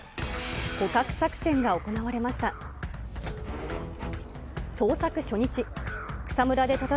捕獲作戦が行われました。